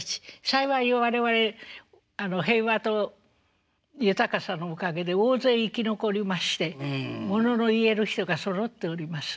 幸い我々平和と豊かさのおかげで大勢生き残りましてものの言える人がそろっております。